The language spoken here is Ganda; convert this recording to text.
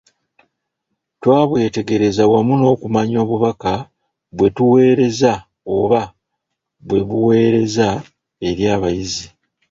Twabwetegereza wamu n’okumanya obubaka bwe butuweereza oba bwe buweereza eri abayizi.